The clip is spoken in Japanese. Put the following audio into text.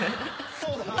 そうだわ。